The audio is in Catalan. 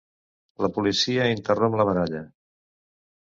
La policia interromp la baralla.